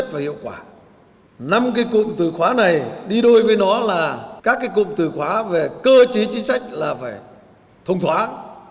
các cụm từ khóa này đi đôi với nó là các cụm từ khóa về cơ chế chính sách là phải thông thoáng